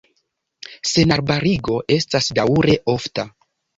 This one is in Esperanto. Senarbarigo estas daŭre ofta.